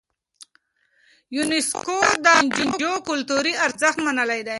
يونيسکو د رانجو کلتوري ارزښت منلی دی.